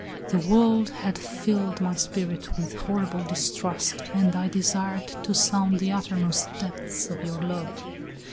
The world had filled my spirit with horrible distrust and I desired to sound the uttermost depths of your love.